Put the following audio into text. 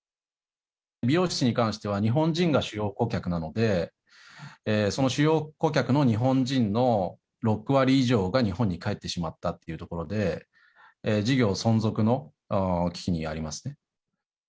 美容室に関しては日本人が主要顧客なので、その主要顧客の日本人の６割以上が日本に帰ってしまったっていうところで、事業存続の危機にありますね。